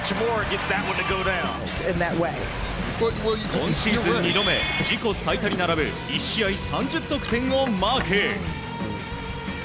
今シーズン２度目自己最多に並ぶ１試合３０得点をマーク。